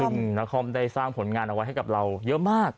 ซึ่งนครได้สร้างผลงานเอาไว้ให้กับเราเยอะมาก